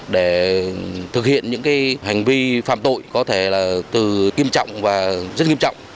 để thực hiện những hành vi phạm tội có thể là từ kiêm trọng và rất nghiêm trọng